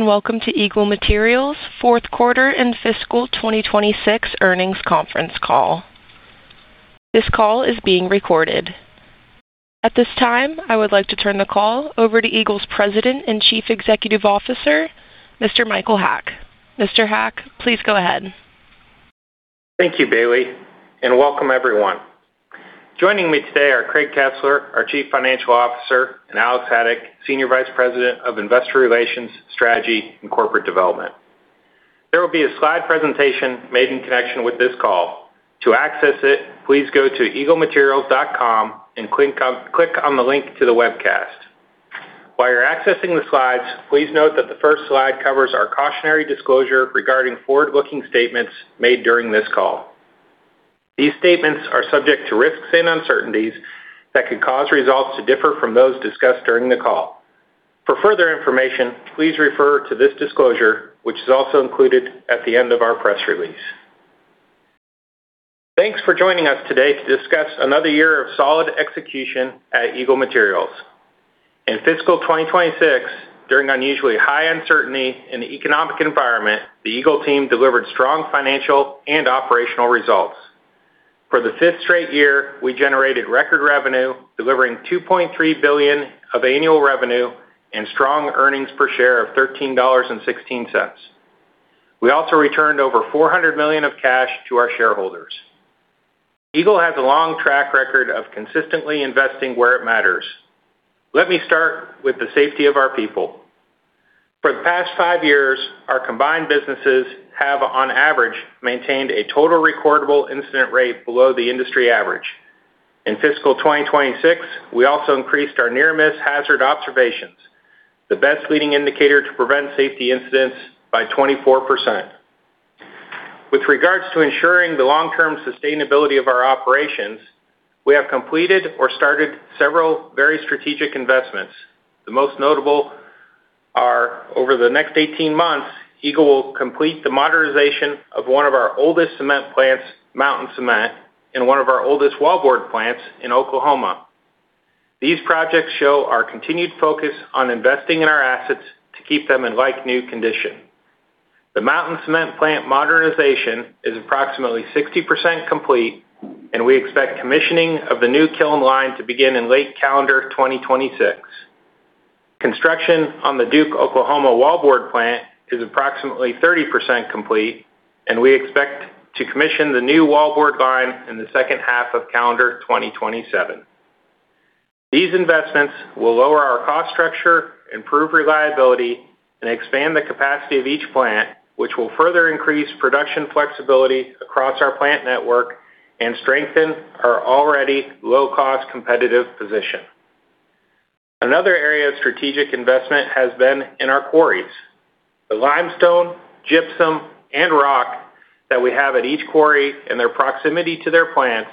Welcome to Eagle Materials fourth quarter and fiscal 2026 earnings conference call. This call is being recorded. At this time, I would like to turn the call over to Eagle's President and Chief Executive Officer, Mr. Michael Haack. Mr. Haack, please go ahead. Thank you, Bailey, and welcome everyone. Joining me today are Craig Kesler, our Chief Financial Officer, and Alex Haddock, Senior Vice President of Investor Relations, Strategy, and Corporate Development. There will be a slide presentation made in connection with this call. To access it, please go to eaglematerials.com and click on the link to the webcast. While you're accessing the slides, please note that the first slide covers our cautionary disclosure regarding forward-looking statements made during this call. These statements are subject to risks and uncertainties that could cause results to differ from those discussed during the call. For further information, please refer to this disclosure, which is also included at the end of our press release. Thanks for joining us today to discuss another year of solid execution at Eagle Materials. In fiscal 2026, during unusually high uncertainty in the economic environment, the Eagle team delivered strong financial and operational results. For the fifth straight year, we generated record revenue, delivering $2.3 billion of annual revenue and strong earnings per share of $13.16. We also returned over $400 million of cash to our shareholders. Eagle has a long track record of consistently investing where it matters. Let me start with the safety of our people. For the past five years, our combined businesses have, on average, maintained a total recordable incident rate below the industry average. In fiscal 2026, we also increased our near-miss hazard observations, the best leading indicator to prevent safety incidents, by 24%. With regards to ensuring the long-term sustainability of our operations, we have completed or started several very strategic investments. The most notable are, over the next 18 months, Eagle will complete the modernization of one of our oldest cement plants, Mountain Cement, and one of our oldest wallboard plants in Oklahoma. These projects show our continued focus on investing in our assets to keep them in like-new condition. The Mountain Cement plant modernization is approximately 60% complete, and we expect commissioning of the new kiln line to begin in late calendar 2026. Construction on the Duke Oklahoma wallboard plant is approximately 30% complete, and we expect to commission the new wallboard line in the second half of calendar 2027. These investments will lower our cost structure, improve reliability, and expand the capacity of each plant, which will further increase production flexibility across our plant network and strengthen our already low-cost competitive position. Another area of strategic investment has been in our quarries. The limestone, gypsum, and rock that we have at each quarry and their proximity to their plants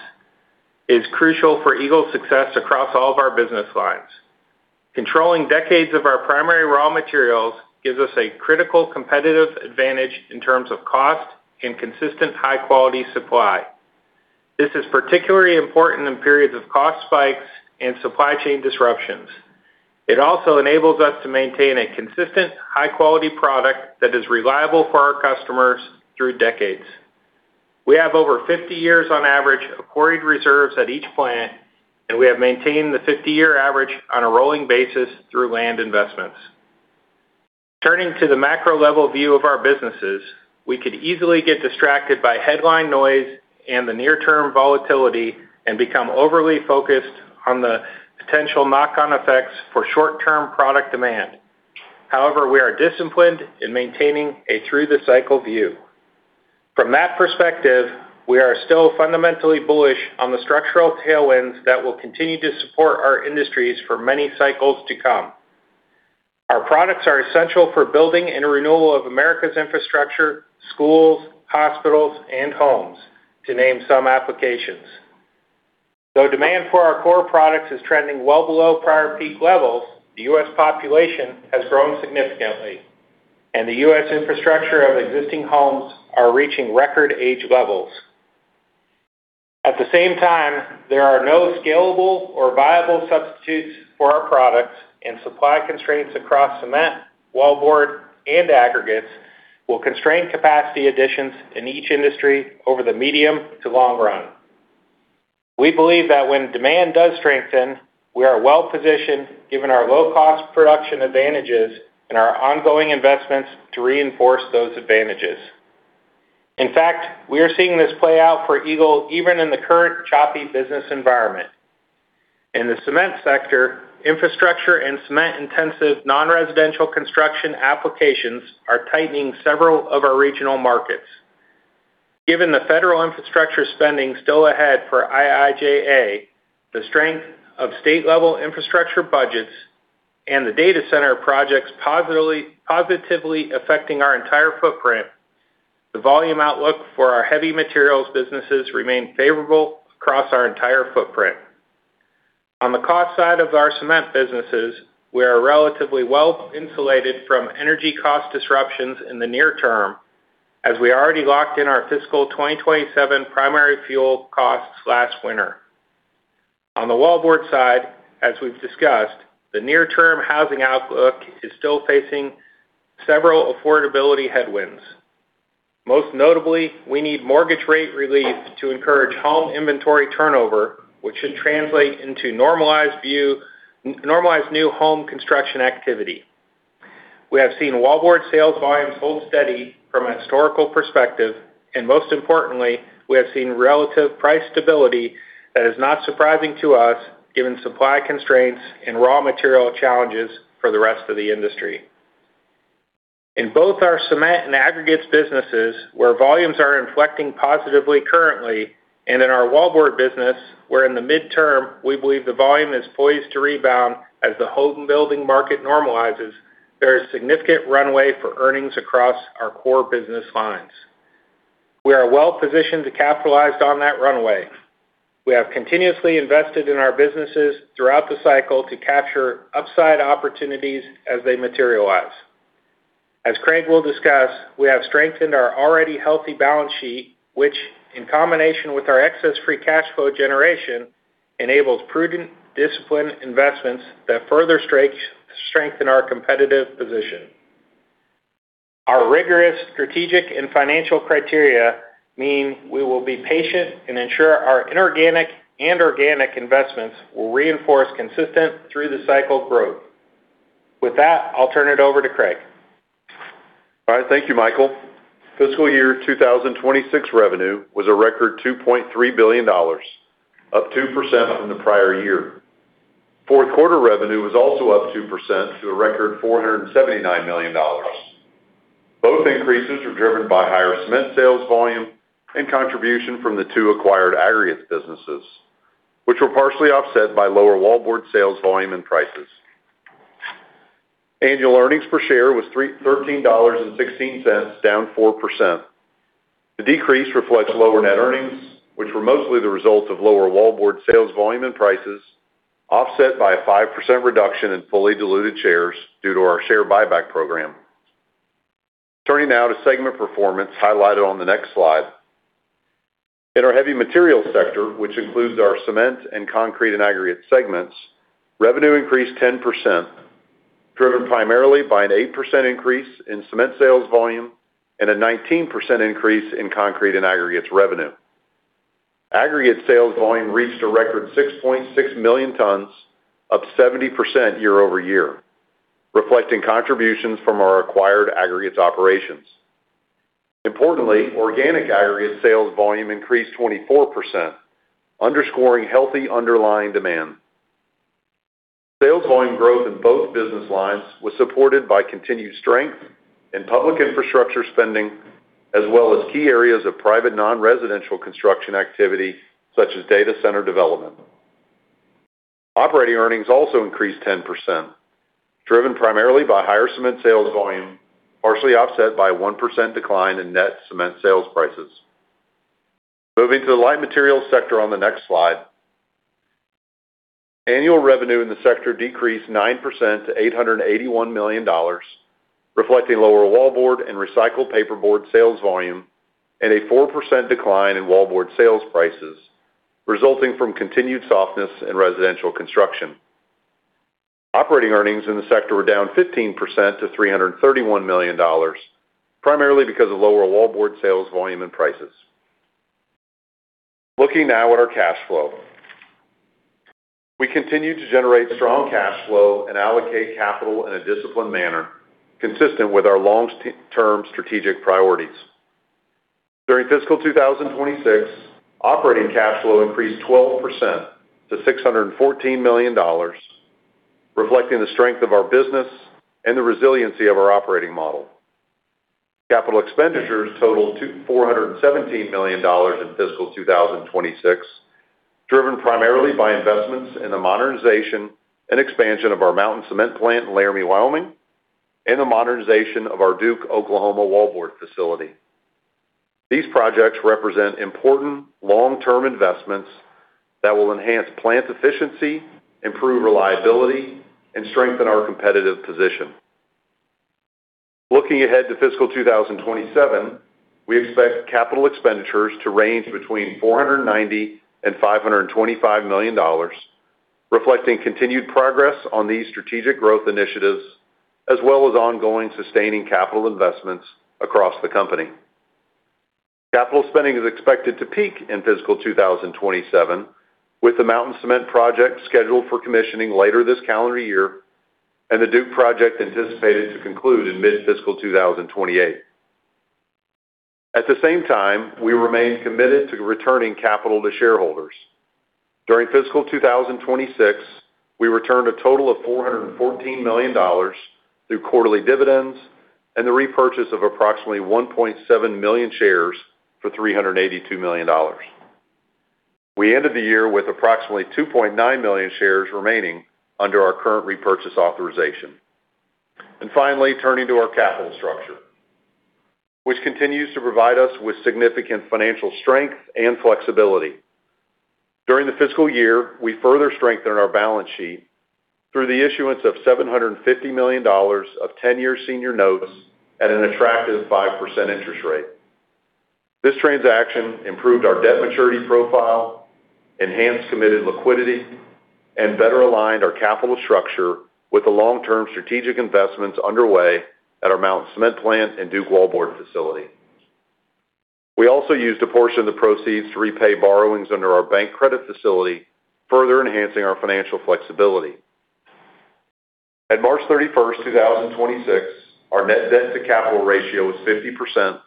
is crucial for Eagle's success across all of our business lines. Controlling decades of our primary raw materials gives us a critical competitive advantage in terms of cost and consistent high-quality supply. This is particularly important in periods of cost spikes and supply chain disruptions. It also enables us to maintain a consistent high-quality product that is reliable for our customers through decades. We have over 50 years on average of quarried reserves at each plant, and we have maintained the 50-year average on a rolling basis through land investments. Turning to the macro level view of our businesses, we could easily get distracted by headline noise and the near-term volatility and become overly focused on the potential knock-on effects for short-term product demand. However, we are disciplined in maintaining a through-the-cycle view. From that perspective, we are still fundamentally bullish on the structural tailwinds that will continue to support our industries for many cycles to come. Our products are essential for building and renewal of America's infrastructure, schools, hospitals, and homes, to name some applications. Though demand for our core products is trending well below prior peak levels, the U.S. population has grown significantly, and the U.S. infrastructure of existing homes are reaching record age levels. At the same time, there are no scalable or viable substitutes for our products, and supply constraints across cement, wallboard, and aggregates will constrain capacity additions in each industry over the medium to long run. We believe that when demand does strengthen, we are well positioned given our low-cost production advantages and our ongoing investments to reinforce those advantages. In fact, we are seeing this play out for Eagle even in the current choppy business environment. In the Cement sector, infrastructure and cement-intensive non-residential construction applications are tightening several of our regional markets. Given the federal infrastructure spending still ahead for IIJA, the strength of state-level infrastructure budgets and the data center projects positively affecting our entire footprint, the volume outlook for our Heavy Materials businesses remain favorable across our entire footprint. On the cost side of our cement businesses, we are relatively well insulated from energy cost disruptions in the near term, as we already locked in our fiscal 2027 primary fuel costs last winter. On the wallboard side, as we've discussed, the near-term housing outlook is still facing several affordability headwinds. Most notably, we need mortgage rate relief to encourage home inventory turnover, which should translate into normalized new home construction activity. We have seen wallboard sales volumes hold steady from a historical perspective. Most importantly, we have seen relative price stability that is not surprising to us given supply constraints and raw material challenges for the rest of the industry. In both our cement and aggregates businesses, where volumes are inflecting positively currently, in our wallboard business, where in the mid-term, we believe the volume is poised to rebound as the home building market normalizes, there is significant runway for earnings across our core business lines. We are well-positioned to capitalize on that runway. We have continuously invested in our businesses throughout the cycle to capture upside opportunities as they materialize. As Craig will discuss, we have strengthened our already healthy balance sheet, which in combination with our excess free cash flow generation, enables prudent disciplined investments that further strengthen our competitive position. Our rigorous strategic and financial criteria mean we will be patient and ensure our inorganic and organic investments will reinforce consistent through the cycle growth. With that, I'll turn it over to Craig. All right. Thank you, Michael. Fiscal year 2026 revenue was a record $2.3 billion, up 2% from the prior year. Fourth quarter revenue was also up 2% to a record $479 million. Both increases were driven by higher Cement sales volume and contribution from the two acquired Aggregates businesses, which were partially offset by lower wallboard sales volume and prices. Annual earnings per share was $13.16, down 4%. The decrease reflects lower net earnings, which were mostly the result of lower wallboard sales volume and prices, offset by a 5% reduction in fully diluted shares due to our share buyback program. Turning now to segment performance highlighted on the next slide. In our Heavy Materials sector, which includes our Cement and Concrete and Aggregates segments, revenue increased 10%, driven primarily by an 8% increase in Cement sales volume and a 19% increase in Concrete and Aggregates revenue. Aggregates sales volume reached a record 6.6 million tons, up 70% year-over-year, reflecting contributions from our acquired aggregates operations. Importantly, organic aggregate sales volume increased 24%, underscoring healthy underlying demand. Sales volume growth in both business lines was supported by continued strength in public infrastructure spending, as well as key areas of private non-residential construction activity such as data center development. Operating earnings also increased 10%, driven primarily by higher Cement sales volume, partially offset by a 1% decline in net Cement sales prices. Moving to the Light Materials sector on the next slide. Annual revenue in the sector decreased 9% to $881 million, reflecting lower wallboard and recycled paperboard sales volume, and a 4% decline in wallboard sales prices, resulting from continued softness in residential construction. Operating earnings in the sector were down 15% to $331 million, primarily because of lower wallboard sales volume and prices. Looking now at our cash flow. We continue to generate strong cash flow and allocate capital in a disciplined manner consistent with our long-term strategic priorities. During fiscal 2026, operating cash flow increased 12% to $614 million, reflecting the strength of our business and the resiliency of our operating model. Capital expenditures totaled $417 million in fiscal 2026, driven primarily by investments in the modernization and expansion of our Mountain Cement plant in Laramie, Wyoming, and the modernization of our Duke Oklahoma wallboard facility. These projects represent important long-term investments that will enhance plant efficiency, improve reliability, and strengthen our competitive position. Looking ahead to fiscal 2027, we expect capital expenditures to range between $490 million-$525 million, reflecting continued progress on these strategic growth initiatives, as well as ongoing sustaining capital investments across the company. Capital spending is expected to peak in fiscal 2027, with the Mountain Cement project scheduled for commissioning later this calendar year and the Duke project anticipated to conclude in mid-fiscal 2028. At the same time, we remain committed to returning capital to shareholders. During fiscal 2026, we returned a total of $414 million through quarterly dividends and the repurchase of approximately 1.7 million shares for $382 million. We ended the year with approximately 2.9 million shares remaining under our current repurchase authorization. Finally, turning to our capital structure, which continues to provide us with significant financial strength and flexibility. During the fiscal year, we further strengthened our balance sheet through the issuance of $750 million of 10-year senior notes at an attractive 5% interest rate. This transaction improved our debt maturity profile, enhanced committed liquidity, and better aligned our capital structure with the long-term strategic investments underway at our Mountain Cement plant and Duke wallboard facility. We also used a portion of the proceeds to repay borrowings under our bank credit facility, further enhancing our financial flexibility. At March 31st, 2026, our net debt to capital ratio was 50%,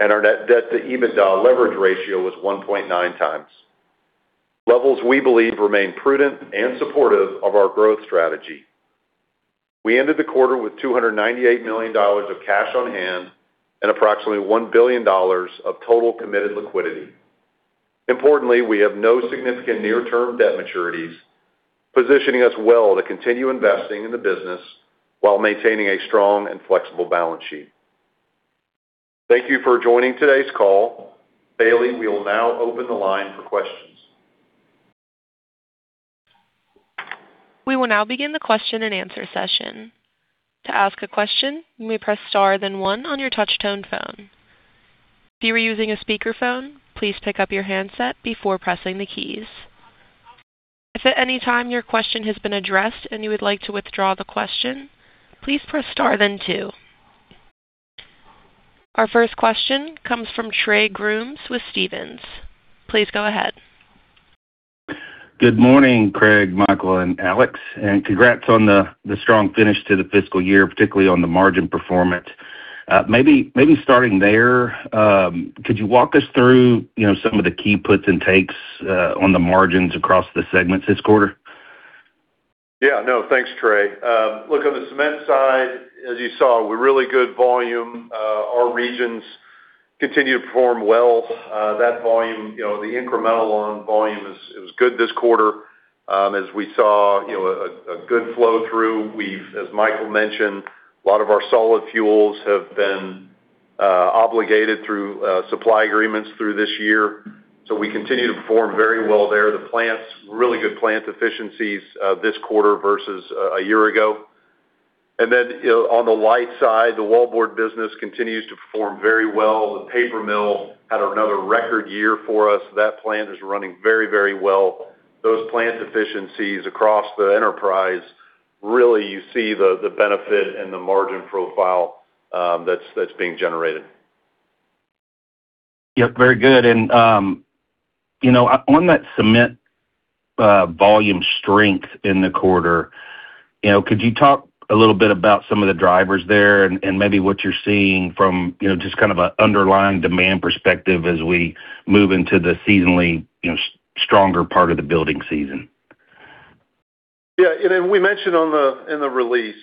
and our net debt to EBITDA leverage ratio was 1.9x. Levels we believe remain prudent and supportive of our growth strategy. We ended the quarter with $298 million of cash on hand and approximately $1 billion of total committed liquidity. Importantly, we have no significant near-term debt maturities, positioning us well to continue investing in the business while maintaining a strong and flexible balance sheet. Thank you for joining today's call. Bailey, we will now open the line for questions. We will now begin the question and answer session. To ask a question, you may press star then one on your touch-tone phone. If you are using a speakerphone, please pick up your handset before pressing the keys. Anytime your question has been addressed, and you would like to withdraw the question, please press star then two. Our first question comes from Trey Grooms with Stephens. Please go ahead. Good morning, Craig, Michael, and Alex, congrats on the strong finish to the fiscal year, particularly on the margin performance. Maybe starting there, could you walk us through, you know, some of the key puts and takes on the margins across the segments this quarter? Yeah, no. Thanks, Trey. Look, on the Cement side, as you saw, really good volume. Our regions continue to perform well. That volume, you know, the incremental on volume is good this quarter. As we saw, you know, a good flow through. We've, as Michael mentioned, a lot of our solid fuels have been obligated through supply agreements through this year. We continue to perform very well there. The plants, really good plant efficiencies, this quarter versus a year ago. You know, on the light side, the wallboard business continues to perform very well. The paper mill had another record year for us. That plant is running very well. Those plant efficiencies across the enterprise, really, you see the benefit and the margin profile that's being generated. Yeah, very good. You know, on that Cement volume strength in the quarter, you know, could you talk a little bit about some of the drivers there and maybe what you're seeing from, you know, just kind of an underlying demand perspective as we move into the seasonally, you know, stronger part of the building season? We mentioned in the release,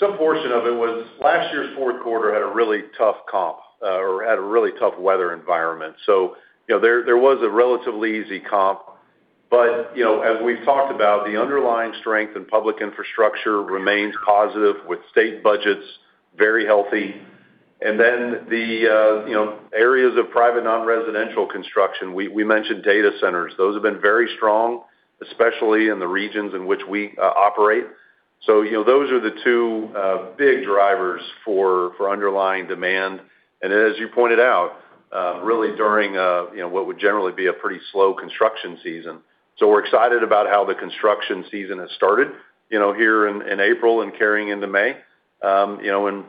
some portion of it was last year's fourth quarter had a really tough comp, or had a really tough weather environment. You know, there was a relatively easy comp. You know, as we've talked about, the underlying strength in public infrastructure remains positive with state budgets very healthy. The, you know, areas of private non-residential construction. We mentioned data centers. Those have been very strong, especially in the regions in which we operate. You know, those are the two big drivers for underlying demand. As you pointed out, really during, you know, what would generally be a pretty slow construction season. We're excited about how the construction season has started, you know, here in April and carrying into May, you know, and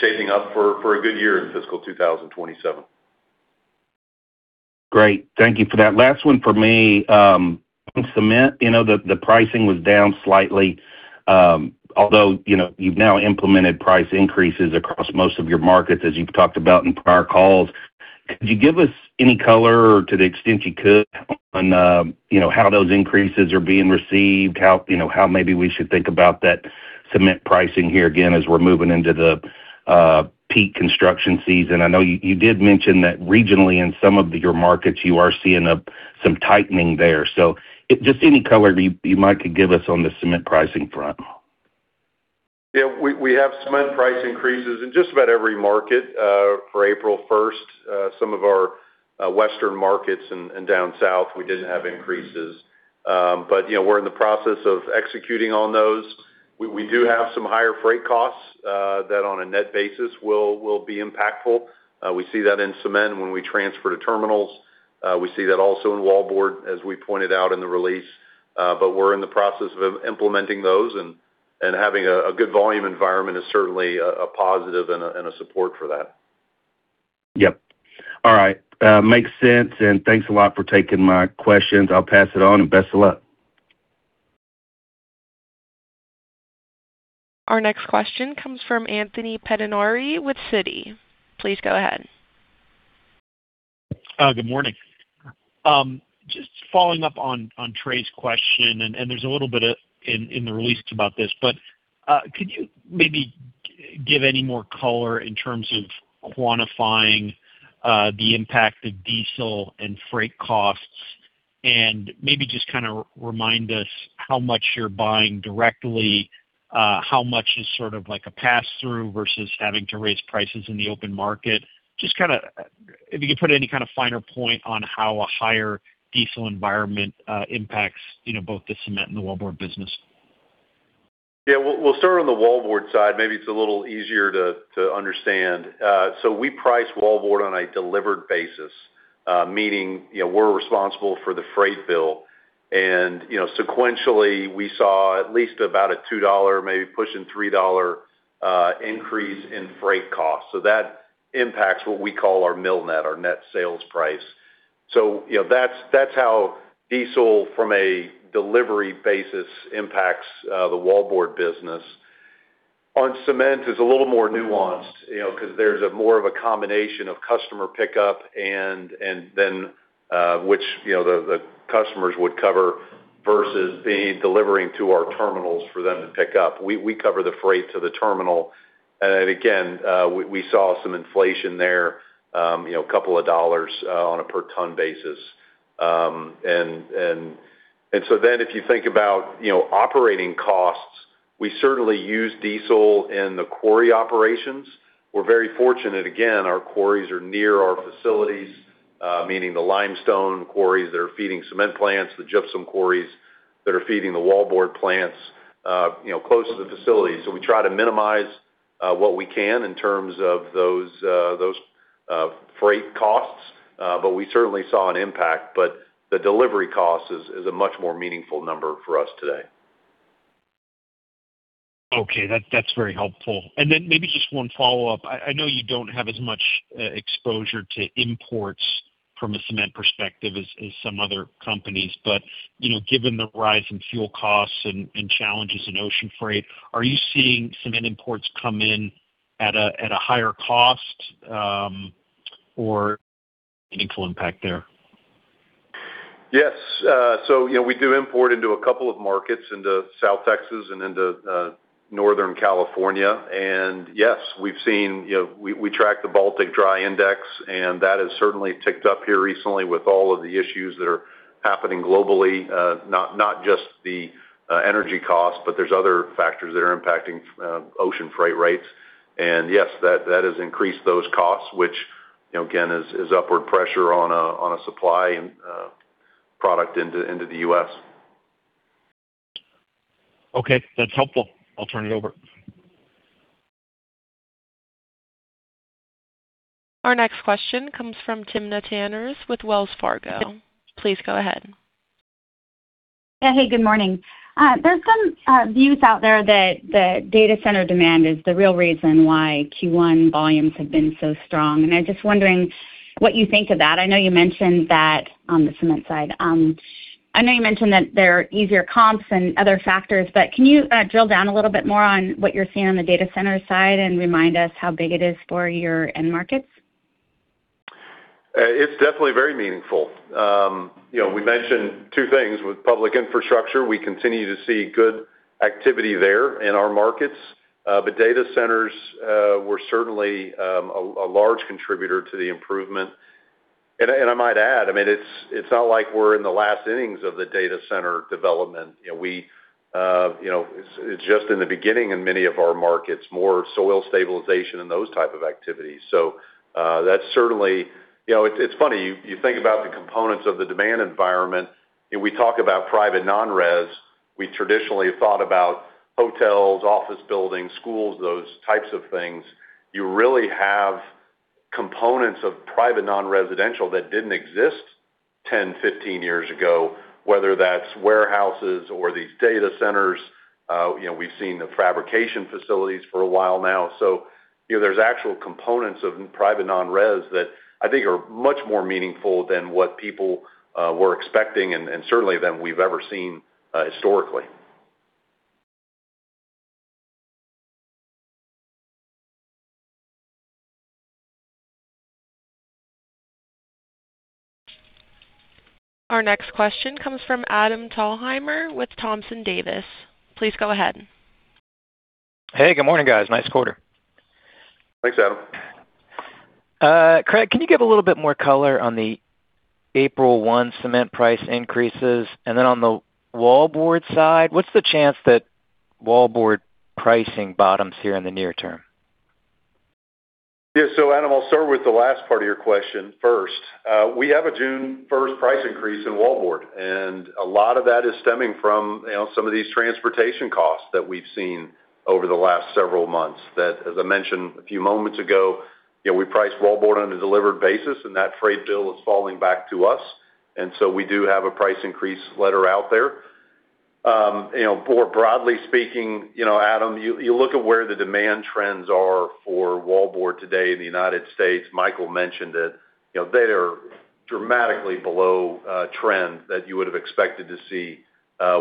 shaping up for a good year in fiscal 2027. Great. Thank you for that. Last one for me. On Cement, you know, the pricing was down slightly, although, you know, you've now implemented price increases across most of your markets, as you've talked about in prior calls. Could you give us any color to the extent you could on, you know, how those increases are being received? How, you know, how maybe we should think about that cement pricing here again as we're moving into the peak construction season? I know you did mention that regionally in some of your markets, you are seeing some tightening there. Just any color you might could give us on the cement pricing front. We have cement price increases in just about every market for April 1st. Some of our Western markets and down South, we didn't have increases. You know, we're in the process of executing on those. We do have some higher freight costs that on a net basis will be impactful. We see that in Cement when we transfer to terminals. We see that also in wallboard, as we pointed out in the release. We're in the process of implementing those and having a good volume environment is certainly a positive and a support for that. Yep. All right. makes sense, thanks a lot for taking my questions. I'll pass it on, best of luck. Our next question comes from Anthony Pettinari with Citi. Please go ahead. Good morning. Just following up on Trey's question, and there's a little bit in the release about this. Could you maybe give any more color in terms of quantifying the impact of diesel and freight costs? Maybe just kinda remind us how much you're buying directly, how much is sort of like a pass-through versus having to raise prices in the open market. If you could put any kind of finer point on how a higher diesel environment impacts, you know, both the cement and the wallboard business. Yeah. We'll start on the wallboard side. Maybe it's a little easier to understand. We price wallboard on a delivered basis, meaning, you know, we're responsible for the freight bill. You know, sequentially, we saw at least about a $2, maybe pushing $3, increase in freight costs. That impacts what we call our mill net, our net sales price. You know, that's how diesel from a delivery basis impacts the wallboard business. On cement, it's a little more nuanced, you know, 'cause there's a more of a combination of customer pickup and then, which, you know, the customers would cover versus the delivering to our terminals for them to pick up. We cover the freight to the terminal. Again, we saw some inflation there, you know, couple of dollars on a per ton basis. If you think about, you know, operating costs, we certainly use diesel in the quarry operations. We're very fortunate, again, our quarries are near our facilities, meaning the limestone quarries that are feeding cement plants, the gypsum quarries that are feeding the wallboard plants, you know, close to the facility. We try to minimize what we can in terms of those freight costs. We certainly saw an impact, the delivery cost is a much more meaningful number for us today. Okay. That's very helpful. Maybe just one follow-up. I know you don't have as much exposure to imports from a Cement perspective as some other companies. You know, given the rise in fuel costs and challenges in ocean freight, are you seeing Cement imports come in at a higher cost or meaningful impact there? Yes. You know, we do import into a couple of markets, into South Texas and into Northern California. Yes, we've seen, you know, we track the Baltic Dry Index, and that has certainly ticked up here recently with all of the issues that are happening globally, not just the energy costs, but there's other factors that are impacting ocean freight rates. Yes, that has increased those costs, which, you know, again, is upward pressure on a supply and product into the U.S. Okay, that's helpful. I'll turn it over. Our next question comes from Timna Tanners with Wells Fargo. Please go ahead. Yeah. Hey, good morning. There's some views out there that the data center demand is the real reason why Q1 volumes have been so strong, and I'm just wondering what you think of that. I know you mentioned that on the Cement side. I know you mentioned that there are easier comps and other factors, but can you drill down a little bit more on what you're seeing on the data center side and remind us how big it is for your end markets? It's definitely very meaningful. You know, we mentioned two things with public infrastructure. We continue to see good activity there in our markets. Data centers were certainly a large contributor to the improvement. I might add, I mean, it's not like we're in the last innings of the data center development. You know, we, you know, it's just in the beginning in many of our markets, more soil stabilization and those type of activities. That's certainly, you know, it's funny. You think about the components of the demand environment, we talk about private non-res. We traditionally thought about hotels, office buildings, schools, those types of things. You really have components of private non-residential that didn't exist 10, 15 years ago, whether that's warehouses or these data centers. You know, we've seen the fabrication facilities for a while now. You know, there's actual components of private non-res that I think are much more meaningful than what people were expecting and certainly than we've ever seen historically. Our next question comes from Adam Thalhimer with Thompson Davis. Please go ahead. Hey, good morning, guys. Nice quarter. Thanks, Adam. Craig, can you give a little bit more color on the April 1 cement price increases? On the wallboard side, what's the chance that wallboard pricing bottoms here in the near term? Yeah. Adam, I'll start with the last part of your question first. We have a June 1st price increase in wallboard, and a lot of that is stemming from, you know, some of these transportation costs that we've seen over the last several months. That as I mentioned a few moments ago, you know, we price wallboard on a delivered basis, and that freight bill is falling back to us. We do have a price increase letter out there. You know, more broadly speaking, you know, Adam, you look at where the demand trends are for wallboard today in the United States, Michael mentioned it. You know, they are dramatically below trend that you would have expected to see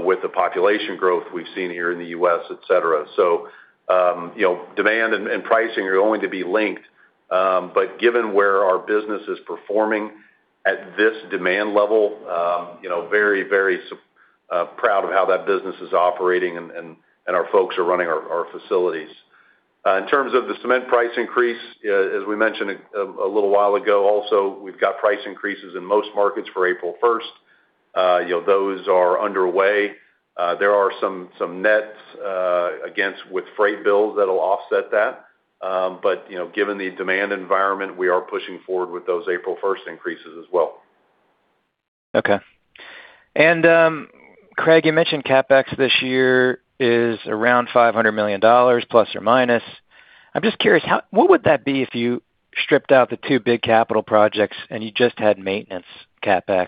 with the population growth we've seen here in the U.S., et cetera. You know, demand and pricing are going to be linked. Given where our business is performing at this demand level, you know, very, very proud of how that business is operating and, and our folks are running our facilities. In terms of the cement price increase, as we mentioned a little while ago also, we've got price increases in most markets for April 1st. You know, those are underway. There are some nets against with freight bills that'll offset that. You know, given the demand environment, we are pushing forward with those April 1st increases as well. Okay. Craig, you mentioned CapEx this year is around $500 million, plus or minus. I'm just curious, what would that be if you stripped out the two big capital projects and you just had maintenance CapEx?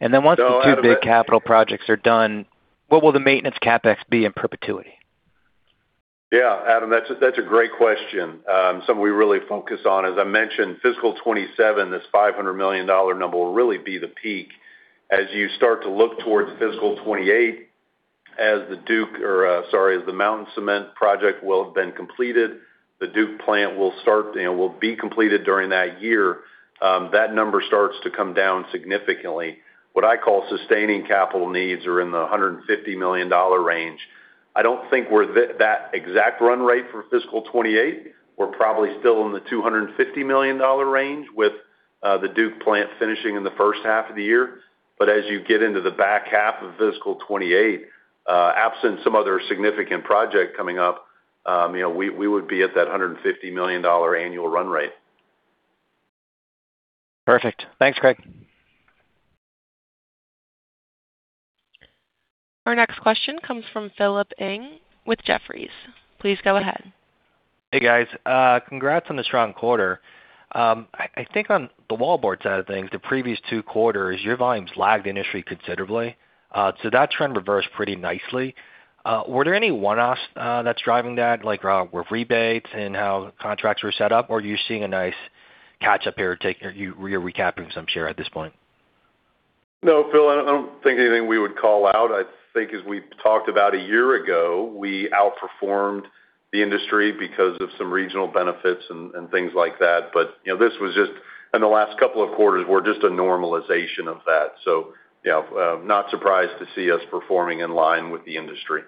Once the two big capital projects are done, what will the maintenance CapEx be in perpetuity? Yeah, Adam, that's a great question. Something we really focus on. As I mentioned, fiscal 2027, this $500 million number will really be the peak. As you start to look towards fiscal 2028, as the Mountain Cement project will have been completed, the Duke plant will start, you know, will be completed during that year, that number starts to come down significantly. What I call sustaining capital needs are in the $150 million range. I don't think we're that exact run rate for fiscal 2028. We're probably still in the $250 million range with the Duke plant finishing in the first half of the year. As you get into the back half of fiscal 2028, absent some other significant project coming up, you know, we would be at that $150 million annual run rate. Perfect. Thanks, Craig. Our next question comes from Philip Ng with Jefferies. Please go ahead. Hey, guys. Congrats on the strong quarter. I think on the wallboard side of things, the previous two quarters, your volumes lagged the industry considerably. That trend reversed pretty nicely. Were there any one-offs that's driving that, like, with rebates and how contracts were set up, or are you seeing a nice catch-up here? Are you recapping some share at this point? No, Philip, I don't think anything we would call out. I think as we talked about a year ago, we outperformed the industry because of some regional benefits and things like that. You know, this was just in the last couple of quarters were just a normalization of that. You know, not surprised to see us performing in line with the industry.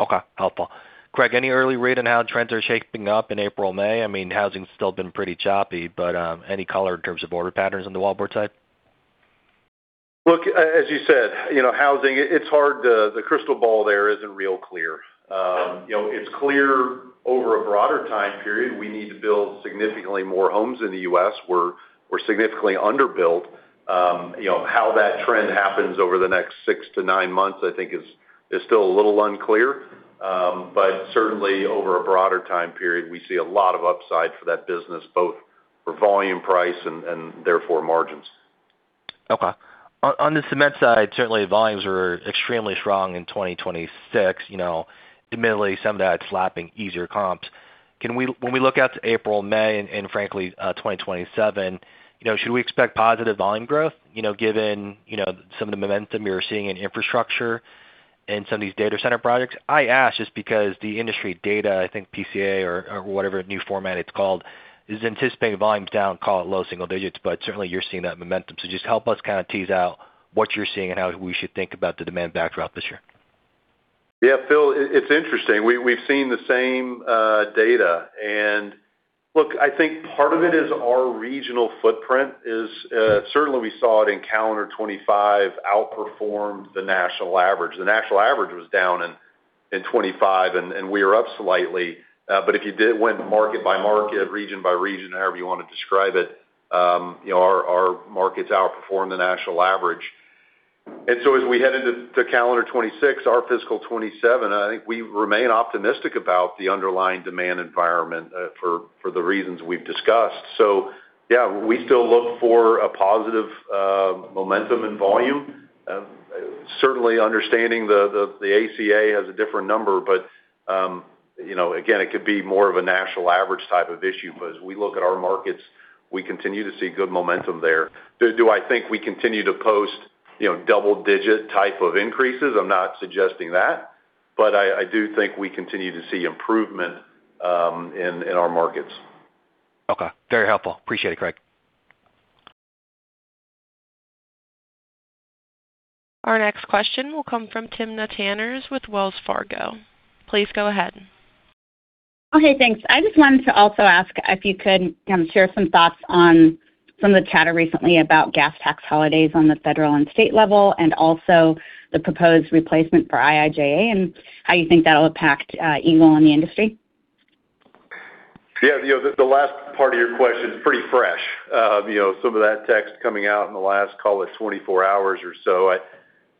Okay. Helpful. Craig, any early read on how trends are shaping up in April, May? I mean, housing's still been pretty choppy, but any color in terms of order patterns on the wallboard side? Look, as you said, you know, housing. The crystal ball there isn't real clear. you know, it's clear over a broader time period, we need to build significantly more homes in the U.S. We're significantly underbuilt. you know, how that trend happens over the next six to nine months, I think is still a little unclear. Certainly over a broader time period, we see a lot of upside for that business, both for volume price and therefore margins. Okay. On the Cement side, certainly volumes are extremely strong in 2026. You know, admittedly, some of that's lapping easier comps. When we look out to April, May and frankly, 2027, you know, should we expect positive volume growth? You know, given some of the momentum you're seeing in infrastructure and some of these data center projects. I ask just because the industry data, I think PCA or whatever new format it's called, is anticipating volumes down, call it low single digits, but certainly you're seeing that momentum. Just help us kinda tease out what you're seeing and how we should think about the demand backdrop this year. Philip, it's interesting. We've seen the same data. Look, I think part of it is our regional footprint is certainly we saw it in calendar 2025 outperformed the national average. The national average was down in 2025, and we are up slightly. If you went market by market, region by region, however you wanna describe it, you know, our markets outperformed the national average. As we head into calendar 2026, our fiscal 2027, I think we remain optimistic about the underlying demand environment for the reasons we've discussed. We still look for a positive momentum and volume. Certainly understanding the ACA has a different number, you know, again, it could be more of a national average type of issue. As we look at our markets, we continue to see good momentum there. Do I think we continue to post, you know, double-digit type of increases? I'm not suggesting that, but I do think we continue to see improvement in our markets. Okay. Very helpful. Appreciate it, Craig. Our next question will come from Timna Tanners with Wells Fargo. Please go ahead. Okay, thanks. I just wanted to also ask if you could share some thoughts on some of the chatter recently about gas tax holidays on the federal and state level, and also the proposed replacement for IIJA and how you think that'll impact Eagle and the industry. Yeah, you know, the last part of your question is pretty fresh. You know, some of that text coming out in the last, call it, 24 hours or so.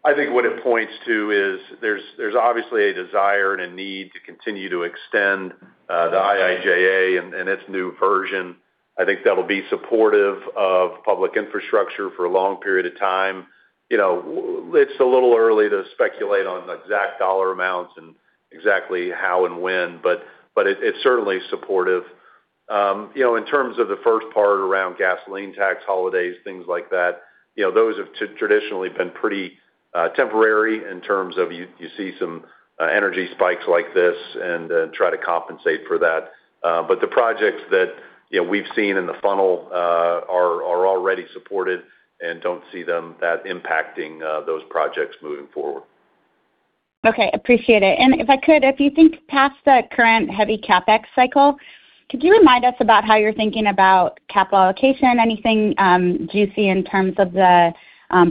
I think what it points to is there's obviously a desire and a need to continue to extend the IIJA and its new version. I think that'll be supportive of public infrastructure for a long period of time. You know, it's a little early to speculate on exact dollar amounts and exactly how and when, but it's certainly supportive. You know, in terms of the first part around gasoline tax holidays, things like that, you know, those have traditionally been pretty temporary in terms of you see some energy spikes like this and try to compensate for that. The projects that, you know, we've seen in the funnel, are already supported and don't see that impacting those projects moving forward. Okay. Appreciate it. If I could, if you think past the current heavy CapEx cycle, could you remind us about how you're thinking about capital allocation? Anything juicy in terms of the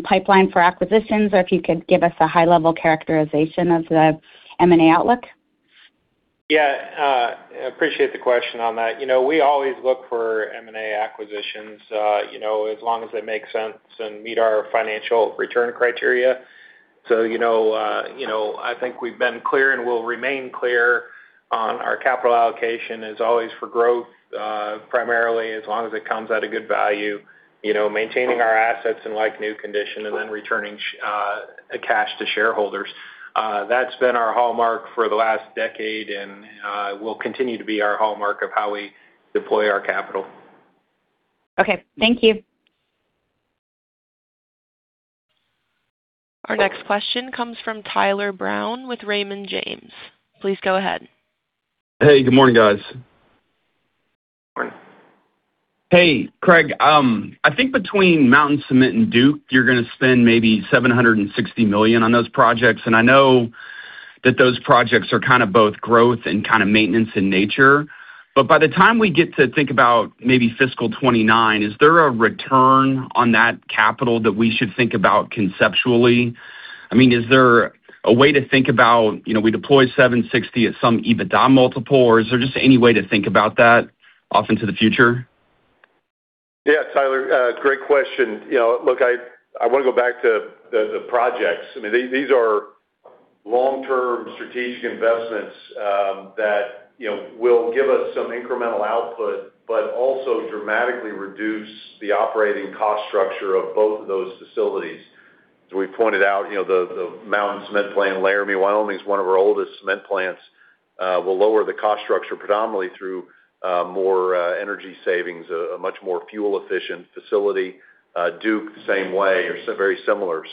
pipeline for acquisitions, or if you could give us a high level characterization of the M&A outlook? Appreciate the question on that. You know, we always look for M&A acquisitions, you know, as long as they make sense and meet our financial return criteria. You know, I think we've been clear and will remain clear on our capital allocation is always for growth, primarily as long as it comes at a good value, you know, maintaining our assets in like-new condition and then returning cash to shareholders. That's been our hallmark for the last decade, and it will continue to be our hallmark of how we deploy our capital. Okay. Thank you. Our next question comes from Tyler Brown with Raymond James. Please go ahead. Hey, good morning, guys. Morning. Hey, Craig. I think between Mountain Cement and Duke, you're gonna spend maybe $760 million on those projects, and I know that those projects are kinda both growth and kinda maintenance in nature. By the time we get to think about maybe fiscal 2029, is there a return on that capital that we should think about conceptually? I mean, is there a way to think about, you know, we deploy $760 at some EBITDA multiple, or is there just any way to think about that off into the future? Yeah, Tyler, great question. You know, look, I wanna go back to the projects. I mean, these are long-term strategic investments that, you know, will give us some incremental output, but also dramatically reduce the operating cost structure of both of those facilities. As we pointed out, you know, the Mountain Cement plant in Laramie, Wyoming is one of our oldest cement plants, will lower the cost structure predominantly through more energy savings, a much more fuel-efficient facility. Duke, same way, very similar.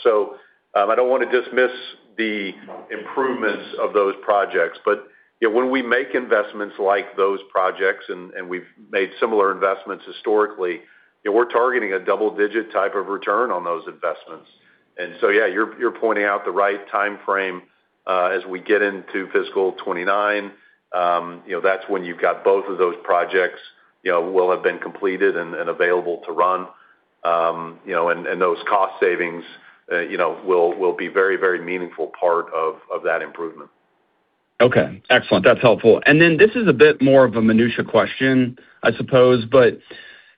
I don't wanna dismiss the improvements of those projects, but, you know, when we make investments like those projects, and we've made similar investments historically, you know, we're targeting a double-digit type of return on those investments. Yeah, you're pointing out the right timeframe as we get into fiscal 2029. You know, that's when you've got both of those projects, you know, will have been completed and available to run. You know, and those cost savings, you know, will be very, very meaningful part of that improvement. Okay. Excellent. That's helpful. This is a bit more of a minutiae question, I suppose, but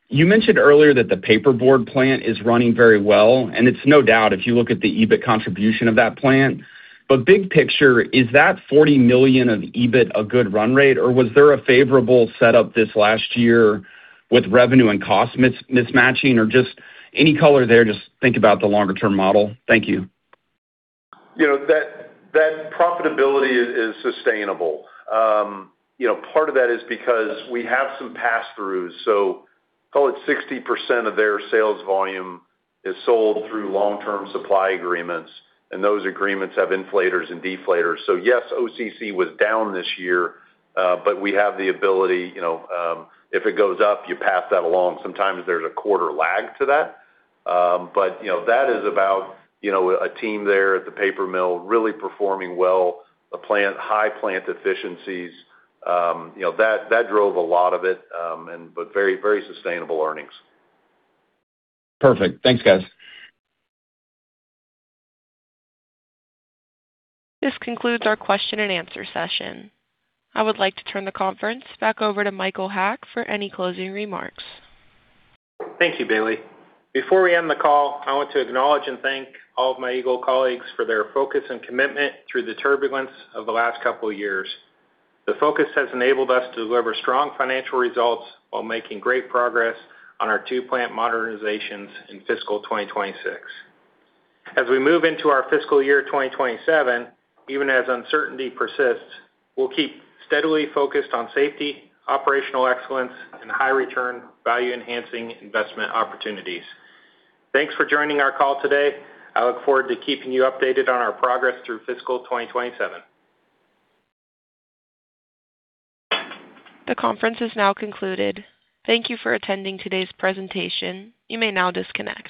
you mentioned earlier that the paperboard plant is running very well, and it's no doubt if you look at the EBIT contribution of that plant. Big picture, is that $40 million of EBIT a good run rate, or was there a favorable setup this last year with revenue and cost mismatching? Just any color there, just think about the longer-term model. Thank you. You know, that profitability is sustainable. You know, part of that is because we have some pass-throughs, call it 60% of their sales volume is sold through long-term supply agreements, and those agreements have inflators and deflators. Yes, OCC was down this year, we have the ability, you know, if it goes up, you pass that along. Sometimes there's a quarter lag to that. You know, that is about, you know, a team there at the paper mill really performing well, high plant efficiencies. You know, that drove a lot of it, very sustainable earnings. Perfect. Thanks, guys. This concludes our question and answer session. I would like to turn the conference back over to Michael Haack for any closing remarks. Thank you, Bailey. Before we end the call, I want to acknowledge and thank all of my Eagle colleagues for their focus and commitment through the turbulence of the last couple years. The focus has enabled us to deliver strong financial results while making great progress on our two plant modernizations in fiscal 2026. As we move into our fiscal year 2027, even as uncertainty persists, we'll keep steadily focused on safety, operational excellence, and high return value-enhancing investment opportunities. Thanks for joining our call today. I look forward to keeping you updated on our progress through fiscal 2027. The conference is now concluded. Thank you for attending today's presentation. You may now disconnect.